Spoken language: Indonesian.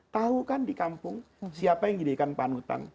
tahu kan di kampung siapa yang dijadikan panutan